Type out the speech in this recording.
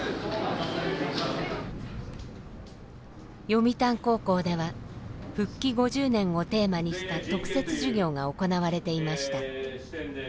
読谷高校では復帰５０年をテーマにした特設授業が行われていました。